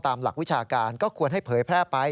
หลักวิชาการก็ควรให้เผยแพร่ไป